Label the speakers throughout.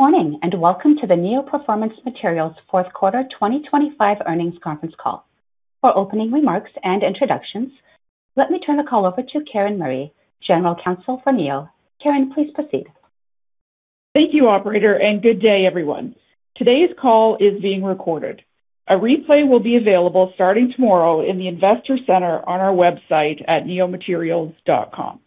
Speaker 1: Morning, and welcome to the Neo Performance Materials fourth quarter 2025 earnings conference call. For opening remarks and introductions, let me turn the call over to Karen Murray, General Counsel for Neo. Karen, please proceed.
Speaker 2: Thank you, operator, and good day, everyone. Today's call is being recorded. A replay will be available starting tomorrow in the Investor Center on our website at neomaterials.com.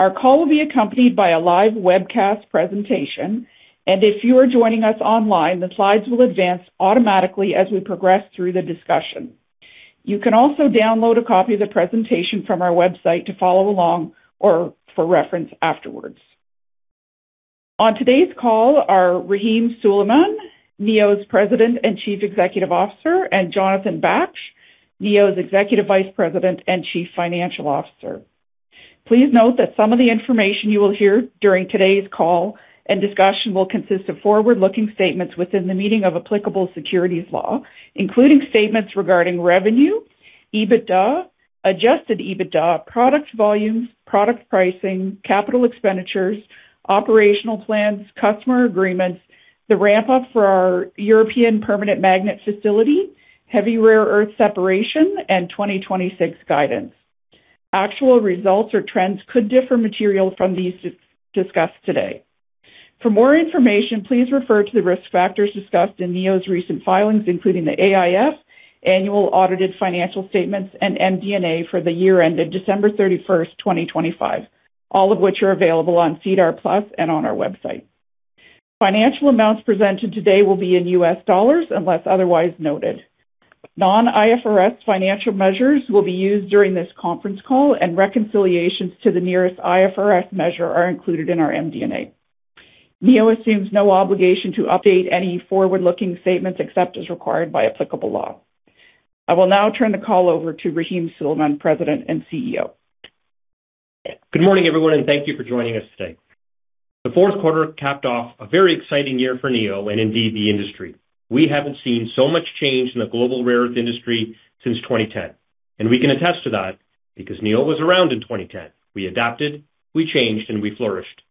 Speaker 2: Our call will be accompanied by a live webcast presentation, and if you are joining us online, the slides will advance automatically as we progress through the discussion. You can also download a copy of the presentation from our website to follow along or for reference afterwards. On today's call are Rahim Suleman, Neo's President and Chief Executive Officer, and Jonathan Baksh, Neo's Executive Vice President and Chief Financial Officer. Please note that some of the information you will hear during today's call and discussion will consist of forward-looking statements within the meaning of applicable securities law, including statements regarding revenue, EBITDA, adjusted EBITDA, product volumes, product pricing, capital expenditures, operational plans, customer agreements, the ramp-up for our European permanent magnet facility, heavy rare earth separation, and 2026 guidance. Actual results or trends could differ materially from these discussed today. For more information, please refer to the risk factors discussed in Neo's recent filings, including the AIF, annual audited financial statements, and MD&A for the year ended December 31, 2025, all of which are available on SEDAR+ and on our website. Financial amounts presented today will be in U.S. dollars unless otherwise noted. Non-IFRS financial measures will be used during this conference call and reconciliations to the nearest IFRS measure are included in our MD&A. Neo assumes no obligation to update any forward-looking statements except as required by applicable law. I will now turn the call over to Rahim Suleman, President and CEO.
Speaker 3: Good morning, everyone, and thank you for joining us today. The fourth quarter capped off a very exciting year for Neo and indeed the industry. We haven't seen so much change in the global rare earth industry since 2010, and we can attest to that because Neo was around in 2010. We adapted, we changed, and we flourished.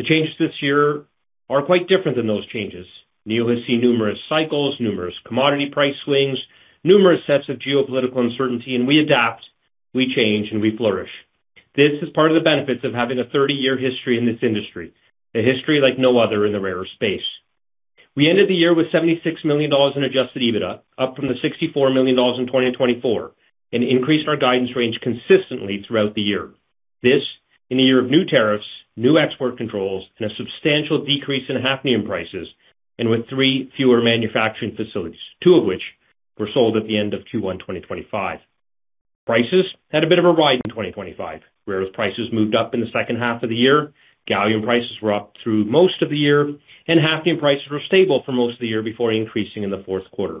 Speaker 3: The changes this year are quite different than those changes. Neo has seen numerous cycles, numerous commodity price swings, numerous sets of geopolitical uncertainty, and we adapt, we change, and we flourish. This is part of the benefits of having a 30-year history in this industry, a history like no other in the rare earth space. We ended the year with $76 million in adjusted EBITDA, up from the $64 million in 2024, and increased our guidance range consistently throughout the year. This in a year of new tariffs, new export controls, and a substantial decrease in hafnium prices, and with three fewer manufacturing facilities, two of which were sold at the end of Q1 2025. Prices had a bit of a ride in 2025. Rare earth prices moved up in the second half of the year. Gallium prices were up through most of the year, and hafnium prices were stable for most of the year before increasing in the fourth quarter.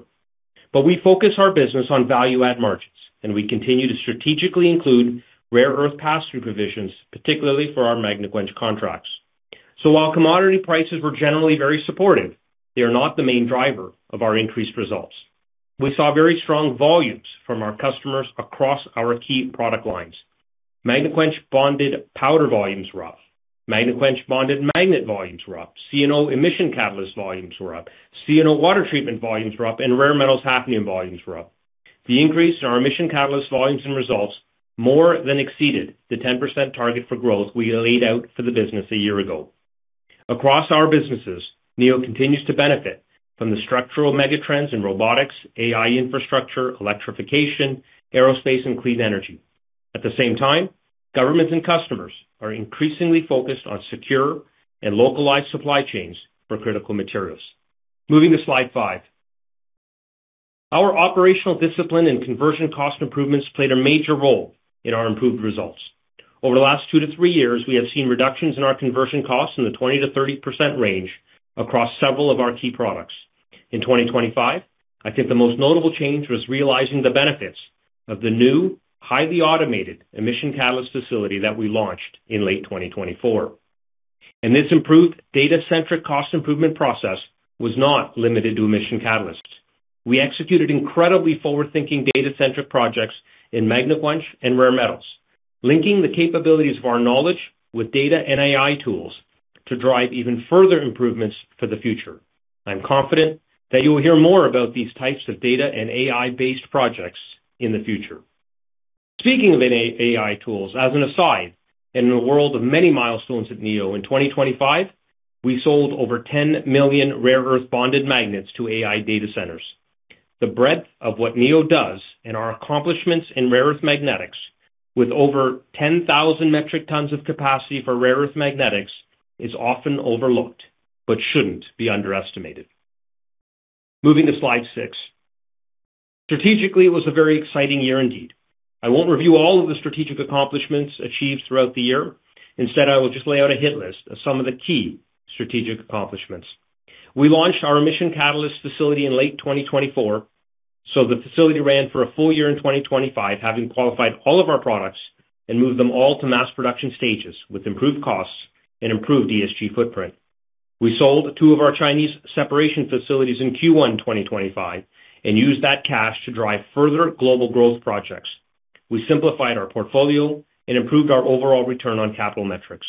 Speaker 3: We focus our business on value add margins, and we continue to strategically include rare earth pass-through provisions, particularly for our Magnequench contracts. While commodity prices were generally very supportive, they are not the main driver of our increased results. We saw very strong volumes from our customers across our key product lines. Magnequench bonded powder volumes were up. Magnequench bonded magnet volumes were up. C&O emission catalyst volumes were up. C&O water treatment volumes were up, and rare metals hafnium volumes were up. The increase in our emission catalyst volumes and results more than exceeded the 10% target for growth we laid out for the business a year ago. Across our businesses, Neo continues to benefit from the structural mega trends in robotics, AI infrastructure, electrification, aerospace, and clean energy. At the same time, governments and customers are increasingly focused on secure and localized supply chains for critical materials. Moving to slide five. Our operational discipline and conversion cost improvements played a major role in our improved results. Over the last two to three years, we have seen reductions in our conversion costs in the 20%-30% range across several of our key products. In 2025, I think the most notable change was realizing the benefits of the new highly automated emission catalyst facility that we launched in late 2024. This improved data-centric cost improvement process was not limited to emission catalysts. We executed incredibly forward-thinking data-centric projects in Magnequench and rare metals, linking the capabilities of our knowledge with data and AI tools to drive even further improvements for the future. I'm confident that you will hear more about these types of data and AI-based projects in the future. Speaking of AI tools, as an aside, in a world of many milestones at Neo, in 2025, we sold over 10 million rare earth bonded magnets to AI data centers. The breadth of what Neo does and our accomplishments in rare earth magnetics with over 10,000 metric tons of capacity for rare earth magnetics is often overlooked but shouldn't be underestimated. Moving to slide six. Strategically, it was a very exciting year indeed. I won't review all of the strategic accomplishments achieved throughout the year. Instead, I will just lay out a hit list of some of the key strategic accomplishments. We launched our emission catalyst facility in late 2024, so the facility ran for a full year in 2025, having qualified all of our products and moved them all to mass production stages with improved costs and improved ESG footprint. We sold two of our Chinese separation facilities in Q1 2025 and used that cash to drive further global growth projects. We simplified our portfolio and improved our overall return on capital metrics.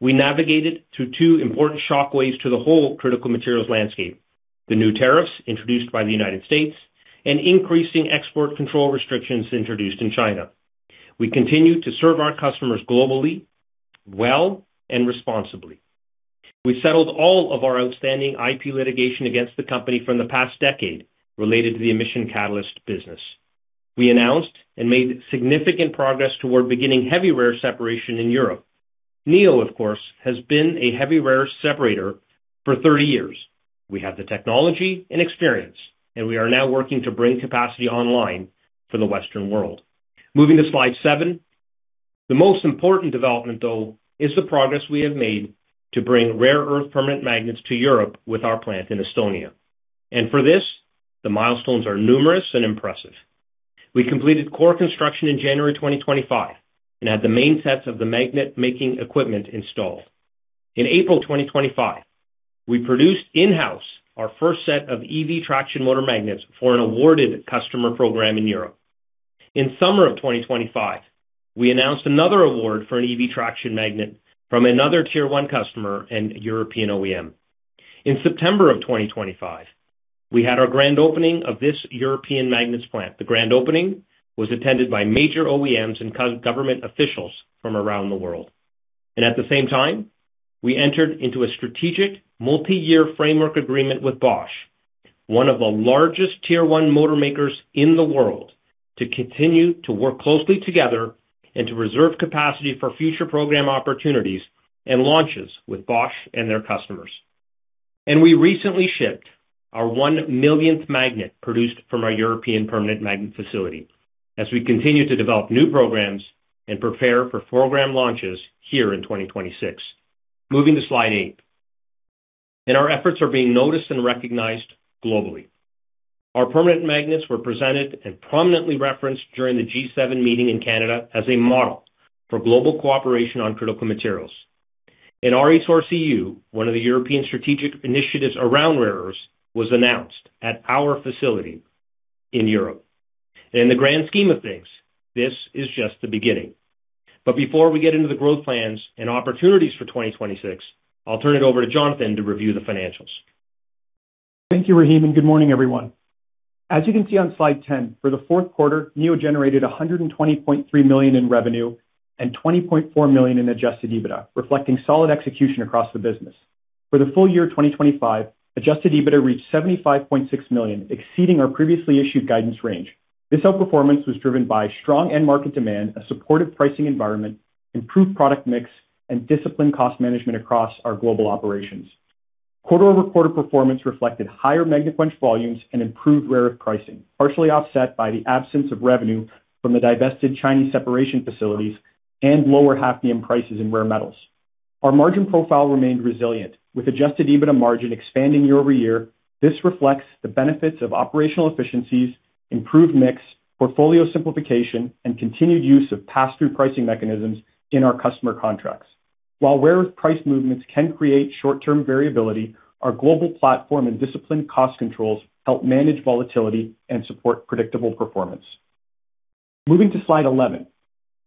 Speaker 3: We navigated through two important shockwaves to the whole critical materials landscape, the new tariffs introduced by the United States and increasing export control restrictions introduced in China. We continue to serve our customers globally, well, and responsibly. We settled all of our outstanding IP litigation against the company from the past decade related to the emission catalyst business. We announced and made significant progress toward beginning heavy rare separation in Europe. Neo, of course, has been a heavy rare separator for 30 years. We have the technology and experience, and we are now working to bring capacity online for the Western world. Moving to slide seven. The most important development, though, is the progress we have made to bring rare earth permanent magnets to Europe with our plant in Estonia. For this, the milestones are numerous and impressive. We completed core construction in January 2025 and had the main sets of the magnet-making equipment installed. In April 2025, we produced in-house our first set of EV traction motor magnets for an awarded customer program in Europe. In summer of 2025, we announced another award for an EV traction magnet from another tier one customer and European OEM. In September of 2025, we had our grand opening of this European magnets plant. The grand opening was attended by major OEMs and government officials from around the world. At the same time, we entered into a strategic multi-year framework agreement with Bosch, one of the largest tier one motor makers in the world, to continue to work closely together and to reserve capacity for future program opportunities and launches with Bosch and their customers. We recently shipped our 1 millionth magnet produced from our European permanent magnet facility as we continue to develop new programs and prepare for program launches here in 2026. Moving to slide eight. Our efforts are being noticed and recognized globally. Our permanent magnets were presented and prominently referenced during the G7 meeting in Canada as a model for global cooperation on critical materials. RESourceEU, one of the European strategic initiatives around rare earths, was announced at our facility in Europe. In the grand scheme of things, this is just the beginning. Before we get into the growth plans and opportunities for 2026, I'll turn it over to Jonathan to review the financials.
Speaker 4: Thank you, Rahim, and good morning, everyone. As you can see on slide 10, for the fourth quarter, Neo generated $120.3 million in revenue and $20.4 million in adjusted EBITDA, reflecting solid execution across the business. For the full year 2025, adjusted EBITDA reached $75.6 million, exceeding our previously issued guidance range. This outperformance was driven by strong end market demand, a supportive pricing environment, improved product mix, and disciplined cost management across our global operations. Quarter-over-quarter performance reflected higher Magnequench volumes and improved rare earth pricing, partially offset by the absence of revenue from the divested Chinese separation facilities and lower hafnium prices in rare metals. Our margin profile remained resilient, with adjusted EBITDA margin expanding year-over-year. This reflects the benefits of operational efficiencies, improved mix, portfolio simplification, and continued use of pass-through pricing mechanisms in our customer contracts. While rare earth price movements can create short-term variability, our global platform and disciplined cost controls help manage volatility and support predictable performance. Moving to slide 11.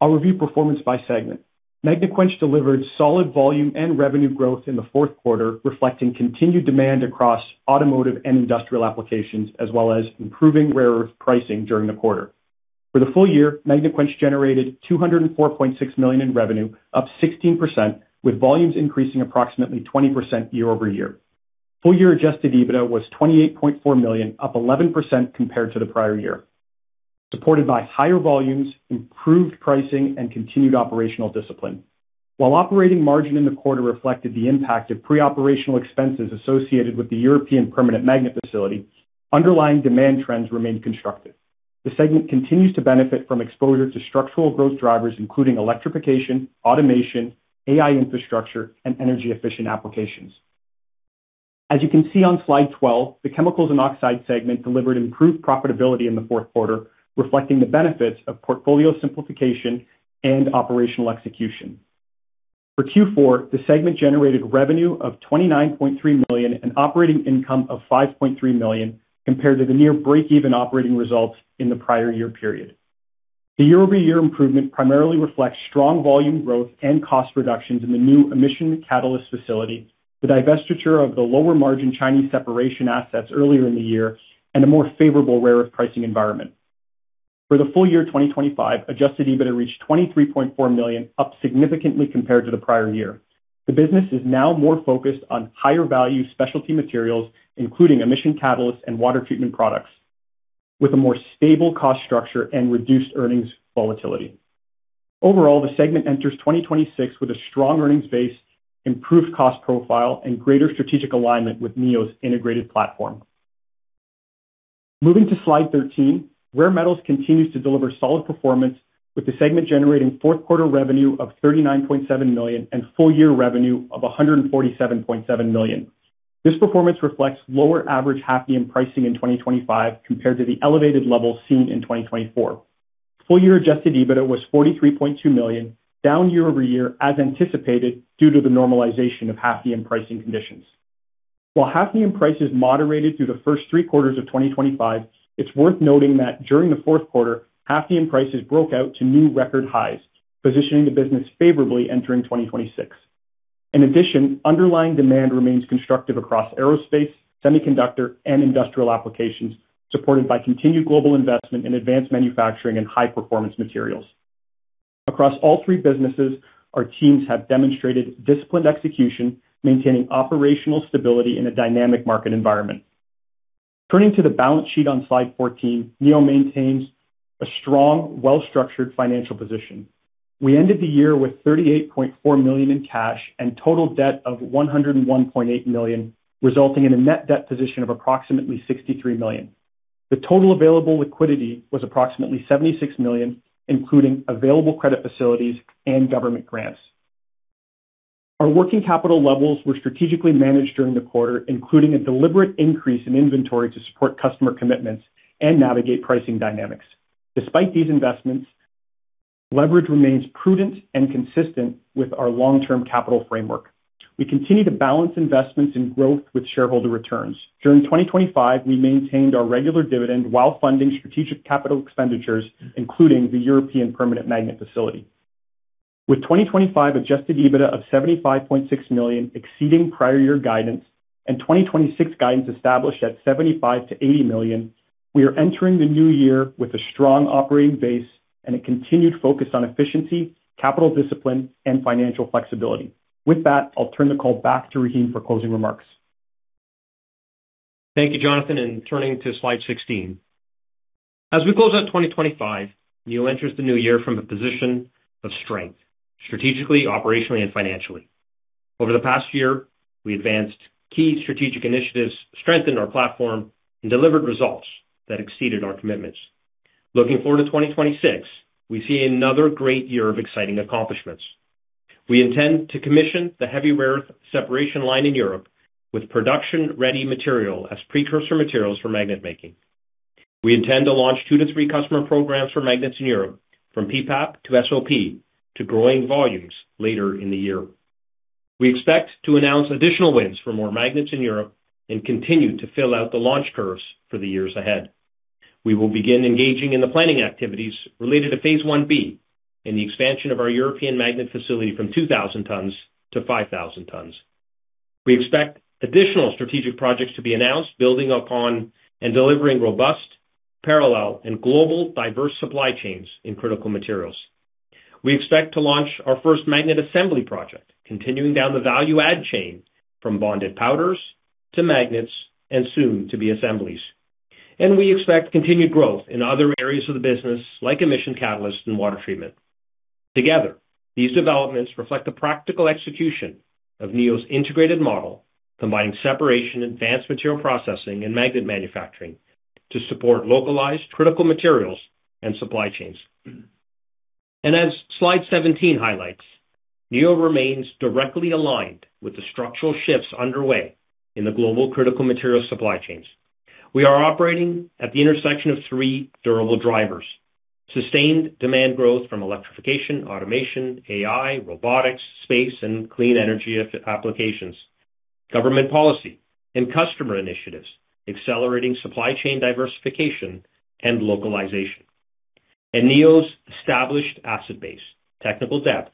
Speaker 4: I'll review performance by segment. Magnequench delivered solid volume and revenue growth in the fourth quarter, reflecting continued demand across automotive and industrial applications, as well as improving rare earth pricing during the quarter. For the full year, Magnequench generated $204.6 million in revenue, up 16%, with volumes increasing approximately 20% year-over-year. Full year adjusted EBITDA was $28.4 million, up 11% compared to the prior year, supported by higher volumes, improved pricing, and continued operational discipline. While operating margin in the quarter reflected the impact of pre-operational expenses associated with the European permanent magnet facility, underlying demand trends remained constructive. The segment continues to benefit from exposure to structural growth drivers, including electrification, automation, AI infrastructure, and energy-efficient applications. As you can see on slide 12, the Chemicals & Oxides segment delivered improved profitability in the fourth quarter, reflecting the benefits of portfolio simplification and operational execution. For Q4, the segment generated revenue of $29.3 million and operating income of $5.3 million compared to the near breakeven operating results in the prior year period. The year-over-year improvement primarily reflects strong volume growth and cost reductions in the new emission catalyst facility, the divestiture of the lower margin Chinese separation assets earlier in the year, and a more favorable rare earth pricing environment. For the full year 2025, adjusted EBITDA reached $23.4 million, up significantly compared to the prior year. The business is now more focused on higher value specialty materials, including emission catalysts and water treatment products, with a more stable cost structure and reduced earnings volatility. Overall, the segment enters 2026 with a strong earnings base, improved cost profile, and greater strategic alignment with Neo's integrated platform. Moving to slide 13. Rare metals continues to deliver solid performance with the segment generating fourth quarter revenue of $39.7 million and full year revenue of $147.7 million. This performance reflects lower average hafnium pricing in 2025 compared to the elevated levels seen in 2024. Full year adjusted EBITDA was $43.2 million, down year-over-year as anticipated due to the normalization of hafnium pricing conditions. While hafnium prices moderated through the first three quarters of 2025, it's worth noting that during the fourth quarter, hafnium prices broke out to new record highs, positioning the business favorably entering 2026. In addition, underlying demand remains constructive across aerospace, semiconductor, and industrial applications, supported by continued global investment in advanced manufacturing and high-performance materials. Across all three businesses, our teams have demonstrated disciplined execution, maintaining operational stability in a dynamic market environment. Turning to the balance sheet on slide 14, Neo maintains a strong, well-structured financial position. We ended the year with $38.4 million in cash and total debt of $101.8 million, resulting in a net debt position of approximately $63 million. The total available liquidity was approximately $76 million, including available credit facilities and government grants. Our working capital levels were strategically managed during the quarter, including a deliberate increase in inventory to support customer commitments and navigate pricing dynamics. Despite these investments, leverage remains prudent and consistent with our long-term capital framework. We continue to balance investments in growth with shareholder returns. During 2025, we maintained our regular dividend while funding strategic capital expenditures, including the European permanent magnet facility. With 2025 adjusted EBITDA of $75.6 million exceeding prior year guidance and 2026 guidance established at $75 million-$80 million, we are entering the new year with a strong operating base and a continued focus on efficiency, capital discipline, and financial flexibility. With that, I'll turn the call back to Rahim for closing remarks.
Speaker 3: Thank you, Jonathan, and turning to slide 16. As we close out 2025, Neo enters the new year from a position of strength strategically, operationally, and financially. Over the past year, we advanced key strategic initiatives, strengthened our platform, and delivered results that exceeded our commitments. Looking forward to 2026, we see another great year of exciting accomplishments. We intend to commission the heavy rare earth separation line in Europe with production-ready material as precursor materials for magnet making. We intend to launch 2-3 customer programs for magnets in Europe from PPAP to SOP to growing volumes later in the year. We expect to announce additional wins for more magnets in Europe and continue to fill out the launch curves for the years ahead. We will begin engaging in the planning activities related to phase I-B in the expansion of our European magnet facility from 2,000 tons to 5,000 tons. We expect additional strategic projects to be announced, building upon and delivering robust, parallel, and global diverse supply chains in critical materials. We expect to launch our first magnet assembly project, continuing down the value add chain from bonded powders to magnets and soon to be assemblies. We expect continued growth in other areas of the business, like emission catalysts and water treatment. Together, these developments reflect the practical execution of Neo's integrated model, combining separation, advanced material processing, and magnet manufacturing to support localized critical materials and supply chains. As slide 17 highlights, Neo remains directly aligned with the structural shifts underway in the global critical material supply chains. We are operating at the intersection of three durable drivers: sustained demand growth from electrification, automation, AI, robotics, space, and clean energy applications, government policy and customer initiatives accelerating supply chain diversification and localization, and Neo's established asset base, technical depth,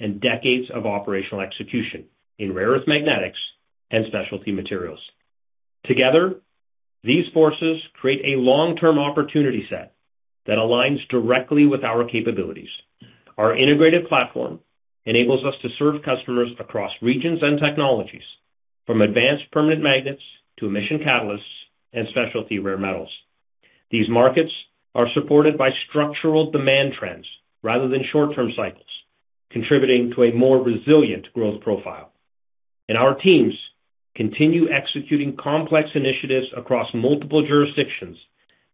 Speaker 3: and decades of operational execution in rare earth magnetics and specialty materials. Together, these forces create a long-term opportunity set that aligns directly with our capabilities. Our integrated platform enables us to serve customers across regions and technologies from advanced permanent magnets to emission catalysts and specialty rare metals. These markets are supported by structural demand trends rather than short-term cycles, contributing to a more resilient growth profile. Our teams continue executing complex initiatives across multiple jurisdictions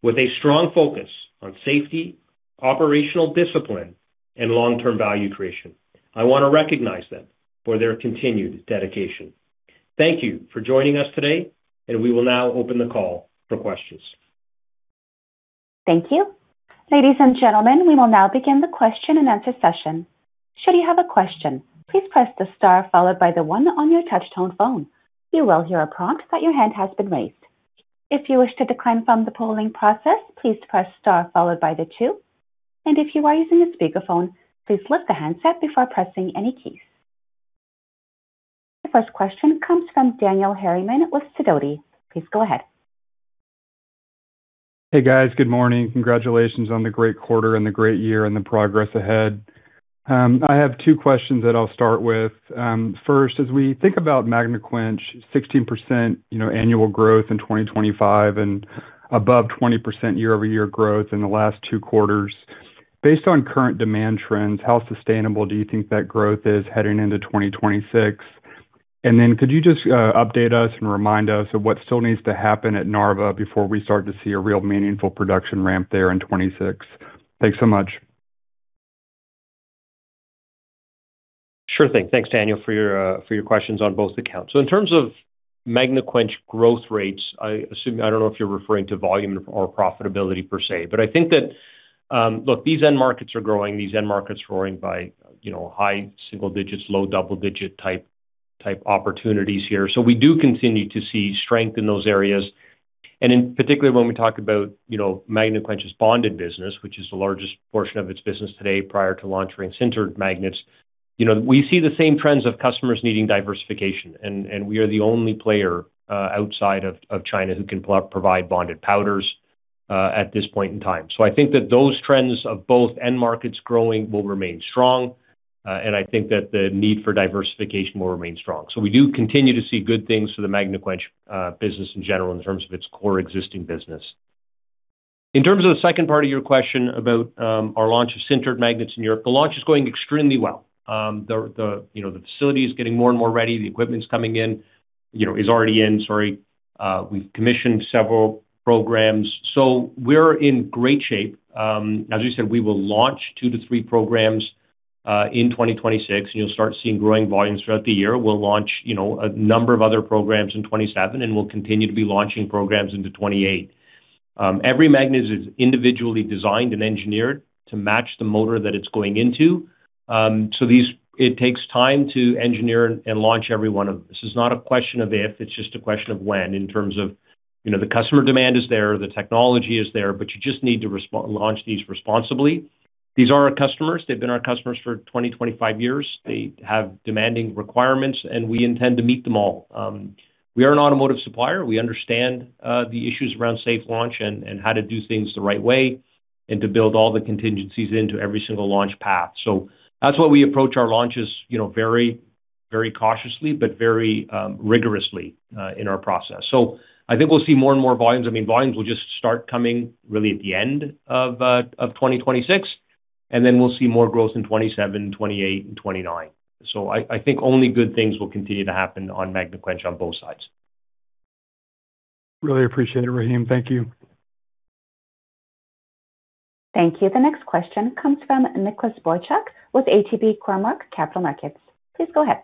Speaker 3: with a strong focus on safety, operational discipline, and long-term value creation. I want to recognize them for their continued dedication. Thank you for joining us today, and we will now open the call for questions.
Speaker 1: Thank you. Ladies and gentlemen, we will now begin the question and answer session. Should you have a question, please press the star followed by the one on your touch tone phone. You will hear a prompt that your hand has been raised. If you wish to decline from the polling process, please press star followed by the two. If you are using a speakerphone, please lift the handset before pressing any keys. The first question comes from Daniel Harriman with Sidoti. Please go ahead.
Speaker 5: Hey, guys. Good morning. Congratulations on the great quarter and the great year and the progress ahead. I have two questions that I'll start with. First, as we think about Magnequench 16%, you know, annual growth in 2025 and above 20% year-over-year growth in the last two quarters. Based on current demand trends, how sustainable do you think that growth is heading into 2026? Could you just update us and remind us of what still needs to happen at Narva before we start to see a real meaningful production ramp there in 2026? Thanks so much.
Speaker 3: Sure thing. Thanks, Daniel, for your questions on both accounts. In terms of Magnequench growth rates, I assume I don't know if you're referring to volume or profitability per se, but I think that, look, these end markets are growing by, you know, high single digits, low double-digit type opportunities here. We do continue to see strength in those areas. In particular, when we talk about, you know, Magnequench's bonded business, which is the largest portion of its business today prior to launching ring-sintered magnets, you know, we see the same trends of customers needing diversification, and we are the only player outside of China who can provide bonded powders at this point in time. I think that those trends of both end markets growing will remain strong, and I think that the need for diversification will remain strong. We do continue to see good things for the Magnequench business in general in terms of its core existing business. In terms of the second part of your question about our launch of sintered magnets in Europe, the launch is going extremely well. You know, the facility is getting more and more ready. The equipment's coming in, you know, is already in. We've commissioned several programs, so we're in great shape. As you said, we will launch 2-3 programs in 2026, and you'll start seeing growing volumes throughout the year. We'll launch, you know, a number of other programs in 2027, and we'll continue to be launching programs into 2028. Every magnet is individually designed and engineered to match the motor that it's going into. It takes time to engineer and launch every one of them. This is not a question of if, it's just a question of when in terms of, you know, the customer demand is there, the technology is there, but you just need to launch these responsibly. These are our customers. They've been our customers for 20, 25 years. They have demanding requirements, and we intend to meet them all. We are an automotive supplier. We understand the issues around safe launch and how to do things the right way and to build all the contingencies into every single launch path. That's why we approach our launches, you know, very, very cautiously, but very rigorously in our process. I think we'll see more and more volumes. I mean, volumes will just start coming really at the end of 2026, and then we'll see more growth in 2027, 2028 and 2029. I think only good things will continue to happen on Magnequench on both sides.
Speaker 5: Really appreciate it, Rahim. Thank you.
Speaker 1: Thank you. The next question comes from Nicholas Boychuk with ATB Cormark Capital Markets. Please go ahead.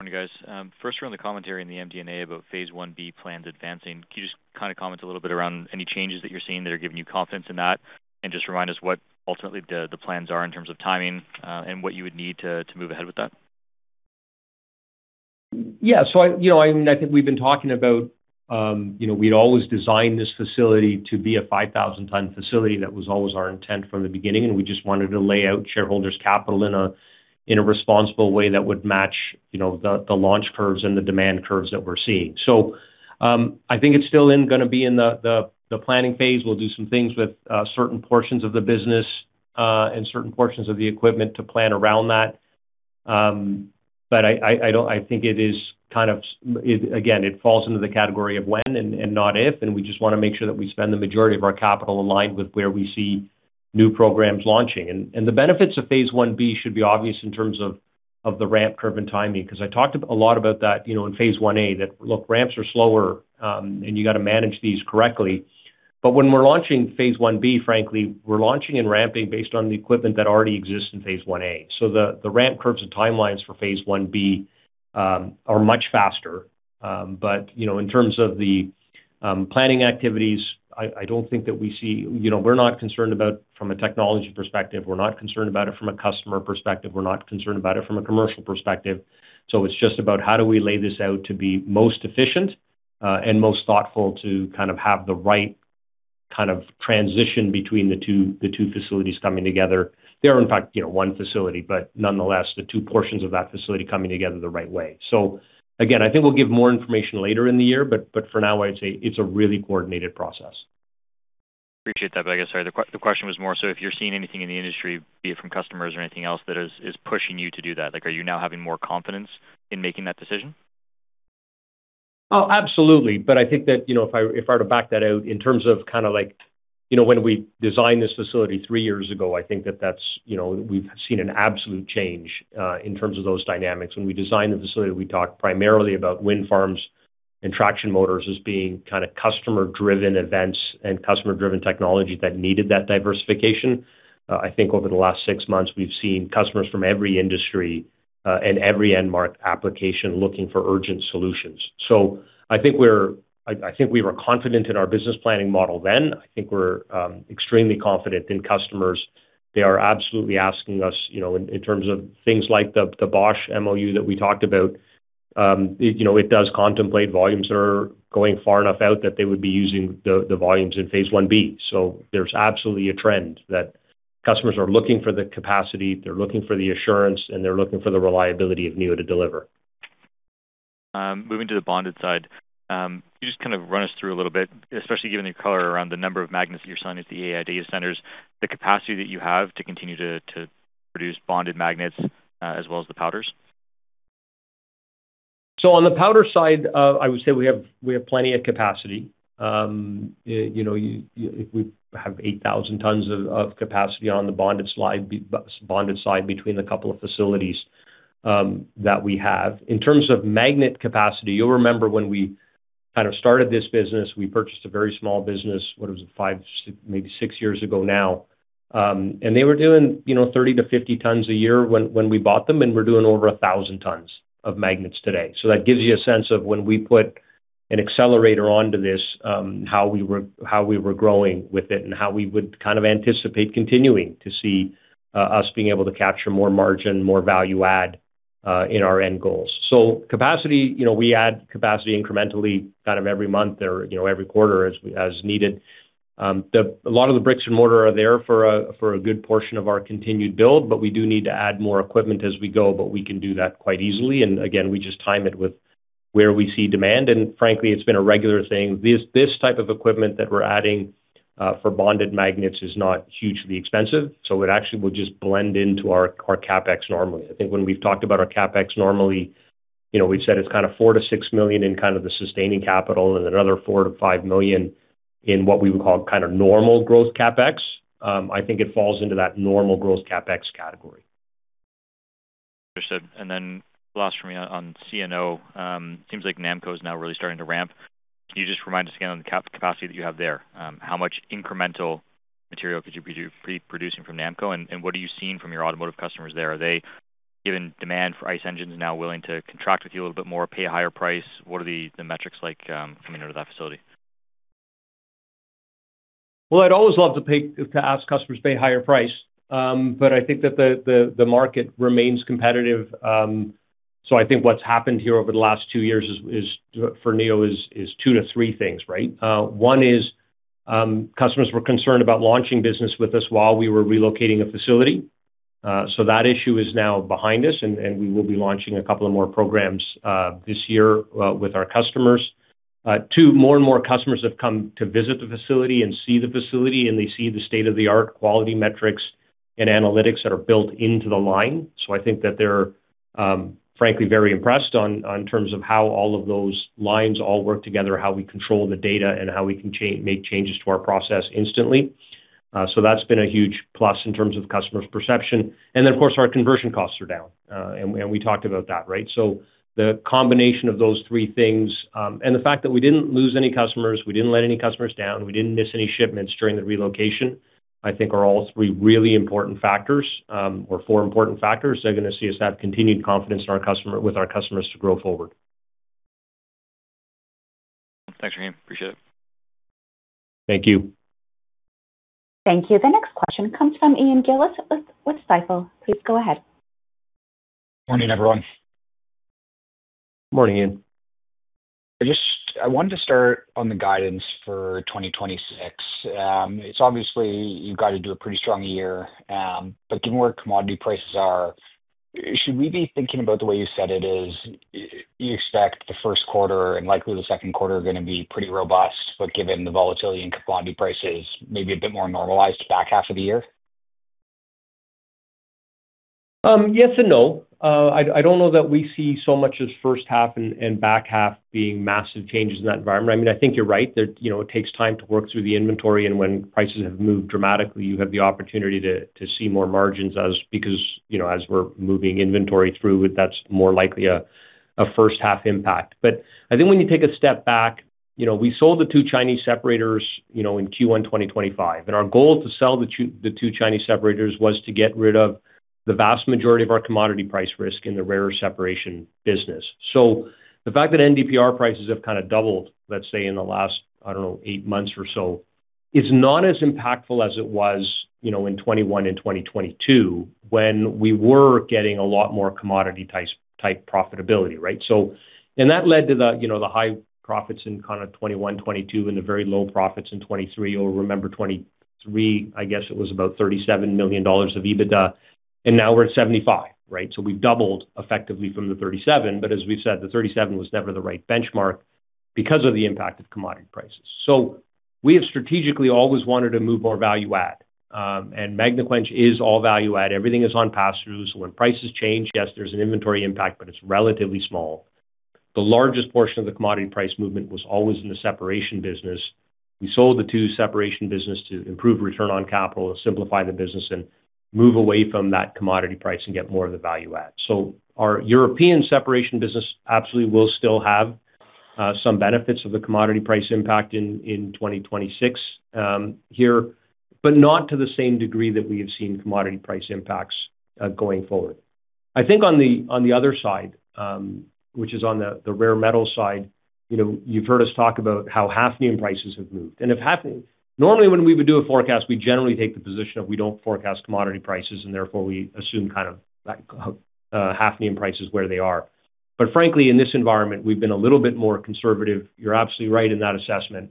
Speaker 6: Morning, guys. First, around the commentary in the MD&A about phase I-B plans advancing. Can you just kinda comment a little bit around any changes that you're seeing that are giving you confidence in that? Just remind us what ultimately the plans are in terms of timing, and what you would need to move ahead with that.
Speaker 3: Yeah. I, you know, I mean, I think we've been talking about, you know, we'd always designed this facility to be a 5,000-ton facility. That was always our intent from the beginning, and we just wanted to lay out shareholders' capital in a responsible way that would match, you know, the launch curves and the demand curves that we're seeing. I think it's still gonna be in the planning phase. We'll do some things with certain portions of the business and certain portions of the equipment to plan around that. I think it is kind of again, it falls into the category of when and not if, and we just wanna make sure that we spend the majority of our capital aligned with where we see new programs launching. The benefits of phase I-B should be obvious in terms of the ramp curve and timing, 'cause I talked a lot about that, you know, in phase I-A, that look, ramps are slower, and you got to manage these correctly. When we're launching phase I-B, frankly, we're launching and ramping based on the equipment that already exists in phase I-A. The ramp curves and timelines for phase I-B are much faster. You know, in terms of the planning activities, I don't think that we see. You know, we're not concerned about, from a technology perspective, we're not concerned about it from a customer perspective, we're not concerned about it from a commercial perspective. It's just about how do we lay this out to be most efficient, and most thoughtful to kind of have the right kind of transition between the two facilities coming together. They are, in fact, you know, one facility, but nonetheless, the two portions of that facility coming together the right way. Again, I think we'll give more information later in the year, but for now, I'd say it's a really coordinated process.
Speaker 6: Appreciate that. I guess, sorry, the question was more so if you're seeing anything in the industry, be it from customers or anything else that is pushing you to do that. Like, are you now having more confidence in making that decision?
Speaker 3: Oh, absolutely. I think that, you know, if I were to back that out in terms of kinda like, you know, when we designed this facility three years ago, I think that that's, you know, we've seen an absolute change in terms of those dynamics. When we designed the facility, we talked primarily about wind farms and traction motors as being kinda customer-driven events and customer-driven technology that needed that diversification. I think over the last six months, we've seen customers from every industry and every end-market application looking for urgent solutions. I think we were confident in our business planning model then. I think we're extremely confident in customers. They are absolutely asking us, you know, in terms of things like the Bosch MOU that we talked about, you know, it does contemplate volumes that are going far enough out that they would be using the volumes in phase I-B. There's absolutely a trend that customers are looking for the capacity, they're looking for the assurance, and they're looking for the reliability of Neo to deliver.
Speaker 6: Moving to the bonded side, can you just kind of run us through a little bit, especially given your color around the number of magnets that you're selling at the AI data centers, the capacity that you have to continue to produce bonded magnets, as well as the powders.
Speaker 3: On the powder side, I would say we have plenty of capacity. You know, we have 8,000 tons of capacity on the bonded side between the couple of facilities that we have. In terms of magnet capacity, you'll remember when we kind of started this business, we purchased a very small business, what was it? 5, 6, maybe 6 years ago now. They were doing, you know, 30-50 tons a year when we bought them, and we're doing over 1,000 tons of magnets today. That gives you a sense of when we put an accelerator onto this, how we were growing with it and how we would kind of anticipate continuing to see us being able to capture more margin, more value add, in our end goals. Capacity, you know, we add capacity incrementally kind of every month or every quarter as needed. A lot of the bricks and mortar are there for a good portion of our continued build, but we do need to add more equipment as we go, but we can do that quite easily. Again, we just time it with where we see demand. Frankly, it's been a regular thing. This type of equipment that we're adding for bonded magnets is not hugely expensive, so it actually will just blend into our CapEx normally. I think when we've talked about our CapEx normally, you know, we've said it's kind of $4 million-$6 million in kind of the sustaining capital and another $4 million-$5 million in what we would call kind of normal growth CapEx. I think it falls into that normal growth CapEx category.
Speaker 6: Understood. Last for me on C&O. Seems like Silmet is now really starting to ramp. Can you just remind us again on the capacity that you have there? How much incremental material could you be producing from Silmet, and what are you seeing from your automotive customers there? Are they, given demand for ICE engines, now willing to contract with you a little bit more, pay a higher price? What are the metrics like coming out of that facility?
Speaker 3: Well, I'd always love to ask customers to pay a higher price. I think that the market remains competitive. I think what's happened here over the last two years is for Neo is two to three things, right? One is customers were concerned about launching business with us while we were relocating a facility. That issue is now behind us and we will be launching a couple of more programs this year with our customers. Two, more and more customers have come to visit the facility and see the facility, and they see the state-of-the-art quality metrics and analytics that are built into the line. I think that they're frankly very impressed on terms of how all of those lines all work together, how we control the data, and how we can make changes to our process instantly. That's been a huge plus in terms of customers' perception. Then of course, our conversion costs are down. We talked about that, right? The combination of those three things and the fact that we didn't lose any customers, we didn't let any customers down, we didn't miss any shipments during the relocation, I think are all three really important factors or four important factors that are gonna see us have continued confidence with our customers to grow forward.
Speaker 6: Thanks, Rahim. Appreciate it.
Speaker 3: Thank you.
Speaker 1: Thank you. The next question comes from Ian Gillies with Stifel. Please go ahead.
Speaker 7: Morning, everyone.
Speaker 3: Morning, Ian.
Speaker 7: I wanted to start on the guidance for 2026. It's obviously you've got to do a pretty strong year, but given where commodity prices are, should we be thinking about the way you said it is you expect the first quarter and likely the second quarter are gonna be pretty robust, but given the volatility in commodity prices may be a bit more normalized back half of the year?
Speaker 3: Yes and no. I don't know that we see so much as first half and back half being massive changes in that environment. I mean, I think you're right that, you know, it takes time to work through the inventory, and when prices have moved dramatically, you have the opportunity to see more margins because, you know, as we're moving inventory through, that's more likely a first half impact. But I think when you take a step back, you know, we sold the two Chinese separators, you know, in Q1, 2025. Our goal to sell the two Chinese separators was to get rid of the vast majority of our commodity price risk in the rare-earth separation business. The fact that NDPR prices have kind of doubled, let's say, in the last, I don't know, eight months or so, is not as impactful as it was, you know, in 2021 and 2022 when we were getting a lot more commodity type profitability, right? That led to the, you know, the high profits in kind of 2021, 2022 and the very low profits in 2023. You'll remember 2023, I guess it was about $37 million of EBITDA, and now we're at $75 million, right? We've doubled effectively from the 37. But as we've said, the 37 was never the right benchmark because of the impact of commodity prices. We have strategically always wanted to move more value add. Magnequench is all value add. Everything is on passthroughs. When prices change, yes, there's an inventory impact, but it's relatively small. The largest portion of the commodity price movement was always in the separation business. We sold the two separation business to improve return on capital, to simplify the business and move away from that commodity price and get more of the value add. Our European separation business absolutely will still have some benefits of the commodity price impact in 2026 here, but not to the same degree that we have seen commodity price impacts going forward. I think on the, on the other side, which is on the rare metal side, you know, you've heard us talk about how hafnium prices have moved. Normally, when we would do a forecast, we generally take the position of we don't forecast commodity prices, and therefore we assume kind of, like, hafnium prices where they are. Frankly, in this environment, we've been a little bit more conservative. You're absolutely right in that assessment.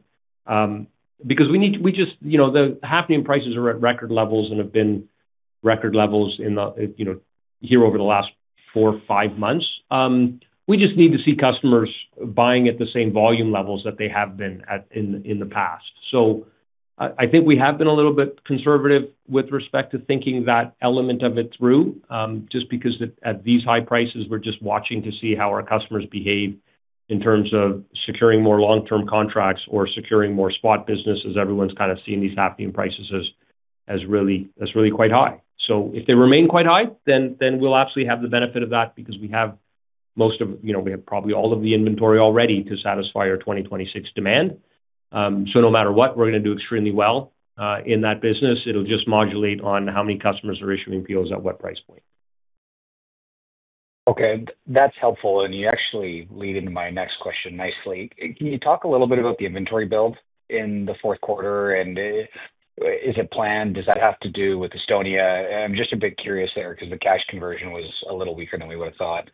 Speaker 3: Because we just, you know, the hafnium prices are at record levels and have been record levels in the, you know, here over the last four or five months. We just need to see customers buying at the same volume levels that they have been at in the past. I think we have been a little bit conservative with respect to thinking that element of it through, just because at these high prices, we're just watching to see how our customers behave in terms of securing more long-term contracts or securing more spot business as everyone's kind of seeing these hafnium prices as really quite high. If they remain quite high, then we'll absolutely have the benefit of that because we have most of, you know, we have probably all of the inventory already to satisfy our 2026 demand. No matter what, we're gonna do extremely well in that business. It'll just modulate on how many customers are issuing POs at what price point.
Speaker 7: Okay, that's helpful. You actually lead into my next question nicely. Can you talk a little bit about the inventory build in the fourth quarter, and is it planned? Does that have to do with Estonia? I'm just a bit curious there because the cash conversion was a little weaker than we would have thought.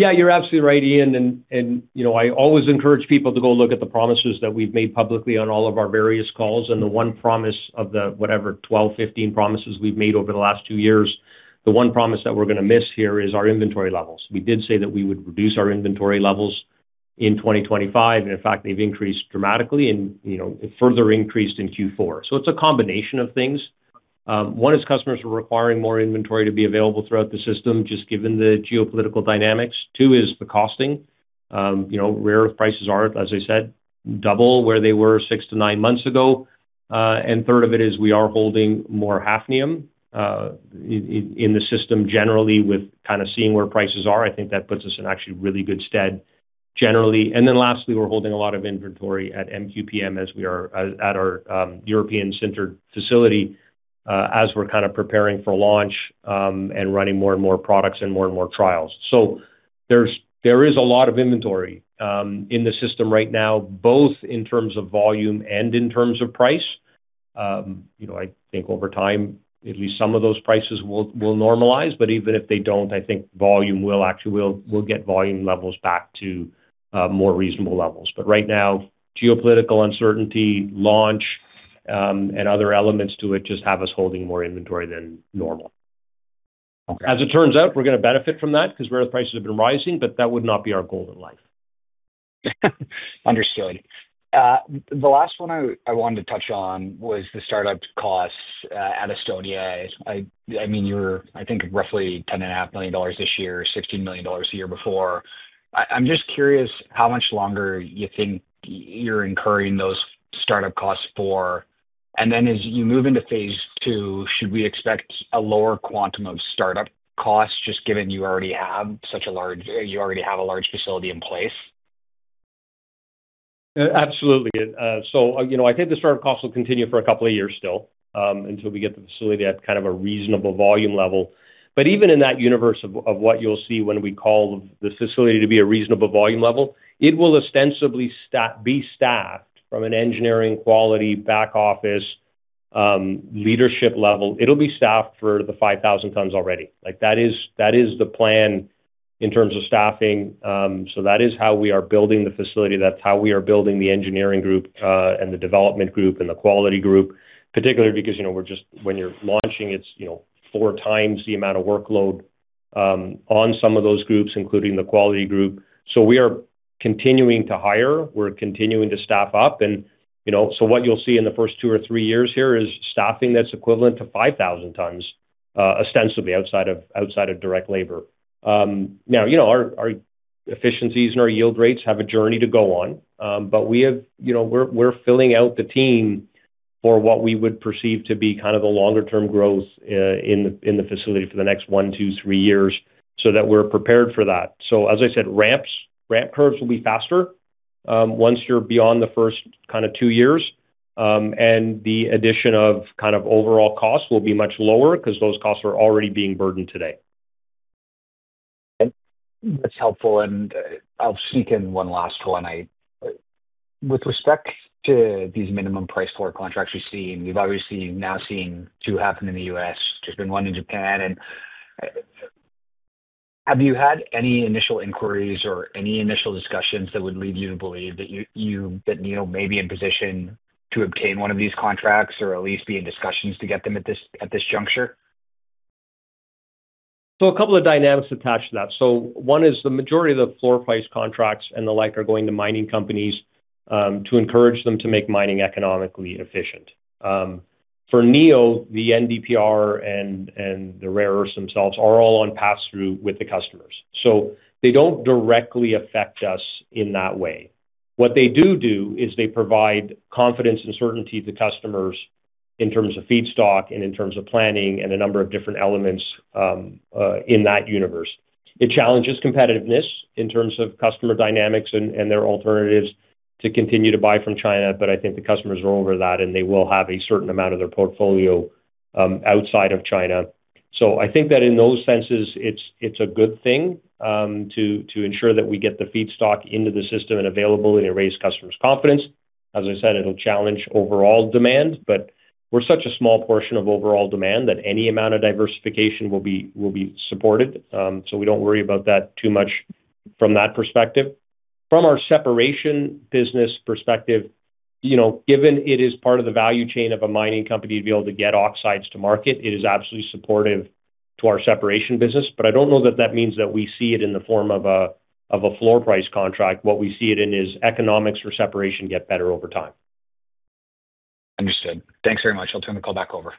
Speaker 3: Yeah, you're absolutely right, Ian. You know, I always encourage people to go look at the promises that we've made publicly on all of our various calls. The one promise of the whatever 12, 15 promises we've made over the last two years, the one promise that we're gonna miss here is our inventory levels. We did say that we would reduce our inventory levels in 2025, and in fact, they've increased dramatically, you know, further increased in Q4. It's a combination of things. One is customers are requiring more inventory to be available throughout the system, just given the geopolitical dynamics. Two is the costing. You know, rare earth prices are, as I said, double where they were six to nine months ago. Third of it is we are holding more hafnium in the system generally with kind of seeing where prices are. I think that puts us in actually really good stead generally. Then lastly, we're holding a lot of inventory at MQPM as we are at our European-centered facility as we're kind of preparing for launch and running more and more products and more and more trials. There is a lot of inventory in the system right now, both in terms of volume and in terms of price. You know, I think over time, at least some of those prices will normalize, but even if they don't, I think volume will actually we'll get volume levels back to more reasonable levels. Right now, geopolitical uncertainty, launch, and other elements to it just have us holding more inventory than normal.
Speaker 7: Okay.
Speaker 3: As it turns out, we're gonna benefit from that because rare earth prices have been rising, but that would not be our goal in life.
Speaker 7: Understood. The last one I wanted to touch on was the startup costs at Estonia. I mean, you're I think roughly $10.5 million this year, $16 million the year before. I'm just curious how much longer you think you're incurring those startup costs for. As you move into phase II, should we expect a lower quantum of startup costs just given you already have such a large facility in place?
Speaker 3: Absolutely. So, you know, I think the startup costs will continue for a couple of years still, until we get the facility at kind of a reasonable volume level. Even in that universe of what you'll see when we call this facility to be a reasonable volume level, it will ostensibly be staffed from an engineering quality back office, leadership level. It'll be staffed for the 5,000 tons already. Like, that is the plan in terms of staffing. That is how we are building the facility. That's how we are building the engineering group, and the development group and the quality group, particularly because, you know, when you're launching, it's, you know, four times the amount of workload, on some of those groups, including the quality group. We are continuing to hire, we're continuing to staff up. What you'll see in the first two or three years here is staffing that's equivalent to 5,000 tons, ostensibly outside of direct labor. Our efficiencies and our yield rates have a journey to go on. We're filling out the team for what we would perceive to be kind of the longer term growth in the facility for the next one, two, three years so that we're prepared for that. As I said, ramp curves will be faster once you're beyond the first kind of two years. The addition of kind of overall costs will be much lower because those costs are already being burdened today.
Speaker 7: That's helpful, and I'll sneak in one last one. With respect to these minimum price floor contracts you're seeing, we've obviously now seen two happen in the US. There's been one in Japan. Have you had any initial inquiries or any initial discussions that would lead you to believe that Neo may be in position to obtain one of these contracts or at least be in discussions to get them at this juncture?
Speaker 3: A couple of dynamics attached to that. One is the majority of the floor price contracts and the like are going to mining companies to encourage them to make mining economically efficient. For Neo, the NDPR and the rare earths themselves are all on pass-through with the customers, so they don't directly affect us in that way. What they do is they provide confidence and certainty to customers in terms of feedstock and in terms of planning and a number of different elements in that universe. It challenges competitiveness in terms of customer dynamics and their alternatives to continue to buy from China. I think the customers are over that, and they will have a certain amount of their portfolio outside of China. I think that in those senses, it's a good thing to ensure that we get the feedstock into the system and available and it raises customers' confidence. As I said, it'll challenge overall demand, but we're such a small portion of overall demand that any amount of diversification will be supported. We don't worry about that too much from that perspective. From our separation business perspective, you know, given it is part of the value chain of a mining company to be able to get oxides to market, it is absolutely supportive to our separation business. I don't know that that means that we see it in the form of a floor price contract. What we see it in is economics for separation get better over time.
Speaker 7: Understood. Thanks very much. I'll turn the call back over.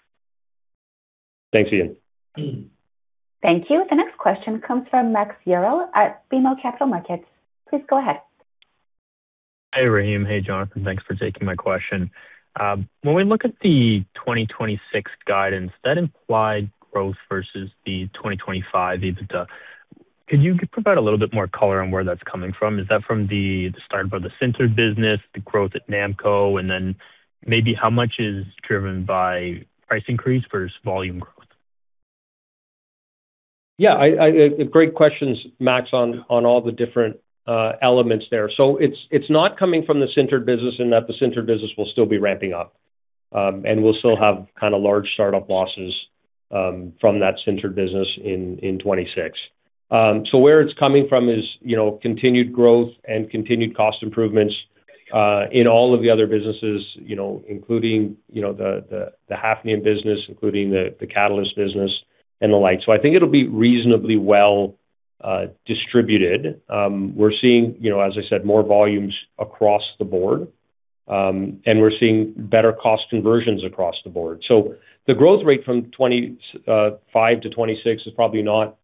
Speaker 3: Thanks, Ian.
Speaker 1: Thank you. The next question comes from Max Yerrill at BMO Capital Markets. Please go ahead.
Speaker 8: Hi, Rahim. Hey, Jonathan. Thanks for taking my question. When we look at the 2026 guidance, that implied growth versus the 2025 EBITDA. Could you provide a little bit more color on where that's coming from? Is that from the start of the sintered business, the growth at Silmet, and then maybe how much is driven by price increase versus volume growth?
Speaker 3: Great questions, Max, on all the different elements there. It's not coming from the Silmet business and that the Silmet business will still be ramping up. We'll still have kinda large start-up losses from that Silmet business in 2026. Where it's coming from is, you know, continued growth and continued cost improvements in all of the other businesses, you know, including the hafnium business, including the catalyst business and the like. I think it'll be reasonably well distributed. We're seeing, you know, as I said, more volumes across the board. We're seeing better cost conversions across the board. The growth rate from 2025 to 2026 is probably not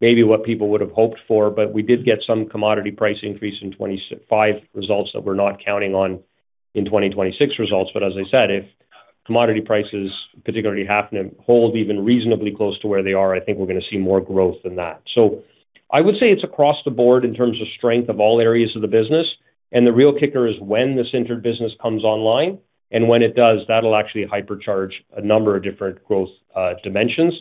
Speaker 3: maybe what people would've hoped for, but we did get some commodity price increase in 2025 results that we're not counting on in 2026 results. As I said, if commodity prices, particularly hafnium, hold even reasonably close to where they are, I think we're gonna see more growth than that. I would say it's across the board in terms of strength of all areas of the business. The real kicker is when the centered business comes online, and when it does, that'll actually hypercharge a number of different growth dimensions.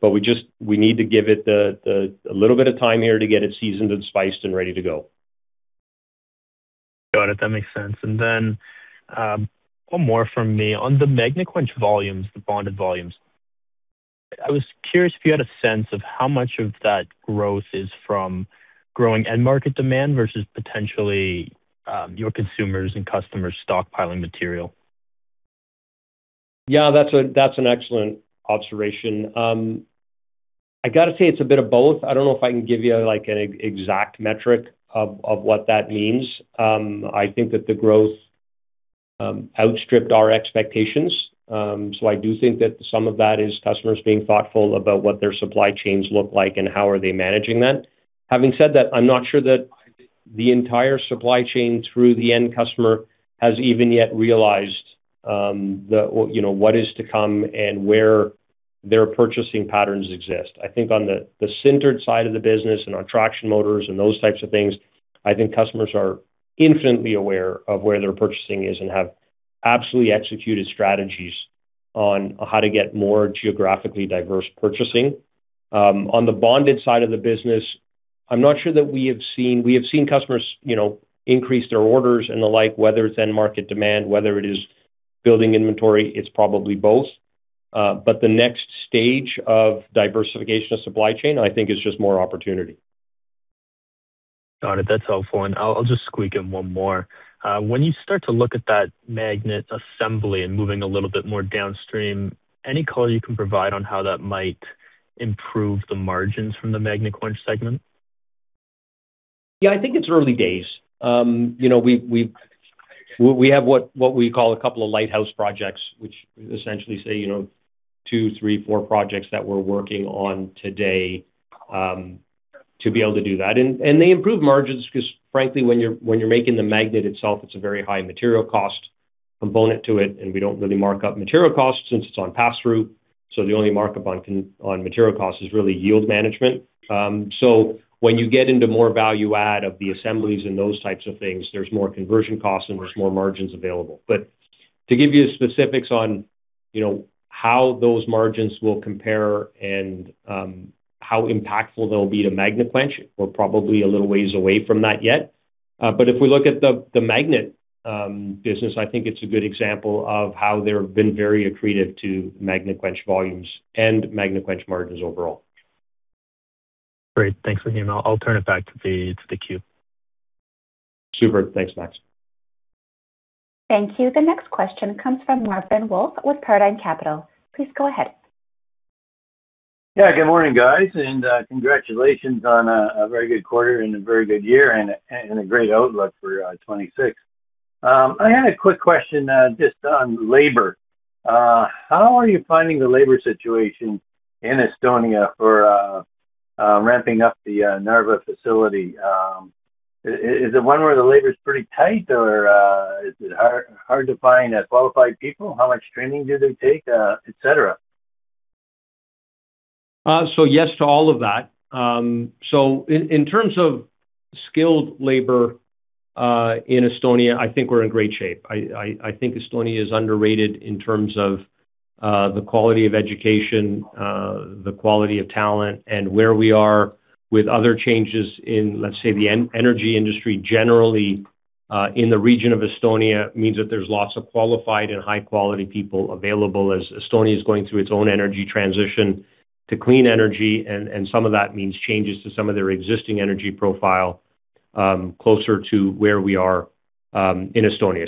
Speaker 3: We just need to give it a little bit of time here to get it seasoned and spiced and ready to go.
Speaker 8: Got it. That makes sense. One more from me. On the Magnequench volumes, the bonded volumes, I was curious if you had a sense of how much of that growth is from growing end market demand versus potentially, your consumers and customers stockpiling material?
Speaker 3: Yeah. That's an excellent observation. I gotta say it's a bit of both. I don't know if I can give you, like, an exact metric of what that means. I think that the growth outstripped our expectations. I do think that some of that is customers being thoughtful about what their supply chains look like and how are they managing that. Having said that, I'm not sure that the entire supply chain through the end customer has even yet realized the, you know, what is to come and where their purchasing patterns exist. I think on the sintered side of the business and on traction motors and those types of things, I think customers are infinitely aware of where their purchasing is and have absolutely executed strategies on how to get more geographically diverse purchasing. On the bonded side of the business, we have seen customers, you know, increase their orders and the like, whether it's end market demand, whether it is building inventory, it's probably both. The next stage of diversification of supply chain, I think, is just more opportunity.
Speaker 8: Got it. That's helpful. I'll just squeak in one more. When you start to look at that magnet assembly and moving a little bit more downstream, any color you can provide on how that might improve the margins from the Magnequench segment?
Speaker 3: Yeah. I think it's early days. You know, we have what we call a couple of lighthouse projects, which essentially say, you know, two, three, four projects that we're working on today to be able to do that. They improve margins 'cause frankly, when you're making the magnet itself, it's a very high material cost component to it, and we don't really mark up material costs since it's on pass-through. So the only markup on material costs is really yield management. So when you get into more value add of the assemblies and those types of things, there's more conversion costs and there's more margins available. But to give you specifics on, you know, how those margins will compare and, how impactful they'll be to Magnequench, we're probably a little ways away from that yet. If we look at the magnet business, I think it's a good example of how they've been very accretive to Magnequench volumes and Magnequench margins overall.
Speaker 8: Great. Thanks, Rahim. I'll turn it back to the queue.
Speaker 3: Super. Thanks, Max.
Speaker 1: Thank you. The next question comes from Marvin Wolff with Paradigm Capital. Please go ahead.
Speaker 9: Yeah. Good morning, guys. Congratulations on a very good quarter and a very good year and a great outlook for 2026. I had a quick question just on labor. How are you finding the labor situation in Estonia for ramping up the Narva facility? Is it one where the labor is pretty tight, or is it hard to find qualified people? How much training do they take, et cetera?
Speaker 3: Yes to all of that. In terms of skilled labor in Estonia, I think we're in great shape. I think Estonia is underrated in terms of the quality of education, the quality of talent and where we are with other changes in, let's say, the energy industry generally in the region of Estonia means that there's lots of qualified and high quality people available as Estonia is going through its own energy transition to clean energy, and some of that means changes to some of their existing energy profile closer to where we are in Estonia.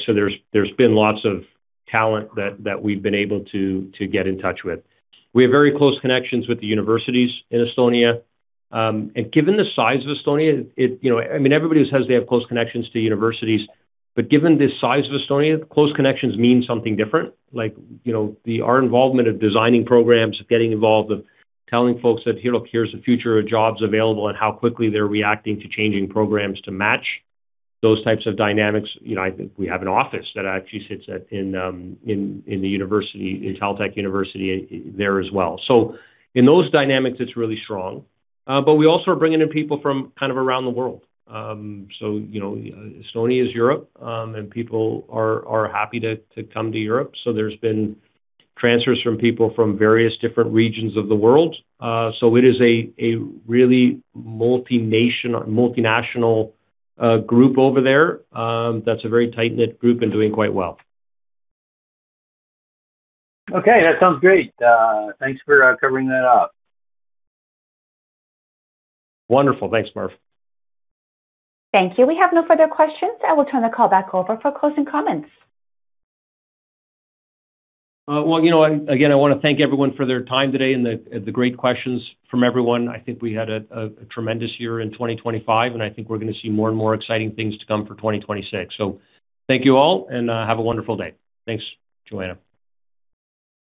Speaker 3: There's been lots of talent that we've been able to get in touch with. We have very close connections with the universities in Estonia. Given the size of Estonia, you know, I mean, everybody says they have close connections to universities, but given the size of Estonia, close connections mean something different. Like, you know, our involvement of designing programs, getting involved of telling folks that, "Here, look, here's the future of jobs available," and how quickly they're reacting to changing programs to match those types of dynamics. You know, I think we have an office that actually sits in the university, in TalTech University there as well. So in those dynamics, it's really strong. But we also are bringing in people from kind of around the world. So, you know, Estonia is Europe, and people are happy to come to Europe. So there's been transfers from people from various different regions of the world. It is a really multinational group over there. That's a very tight-knit group and doing quite well.
Speaker 9: Okay. That sounds great. Thanks for covering that up.
Speaker 3: Wonderful. Thanks, Marv.
Speaker 1: Thank you. We have no further questions. I will turn the call back over for closing comments.
Speaker 3: Well, you know, again, I wanna thank everyone for their time today and the great questions from everyone. I think we had a tremendous year in 2025, and I think we're gonna see more and more exciting things to come for 2026. Thank you all, and have a wonderful day. Thanks, Jo-Anne.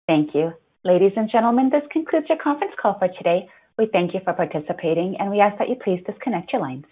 Speaker 1: Thank you. Ladies and gentlemen, this concludes your conference call for today. We thank you for participating, and we ask that you please disconnect your lines.